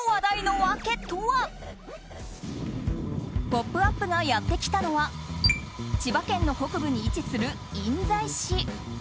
「ポップＵＰ！」がやってきたのは千葉県の北部に位置する印西市。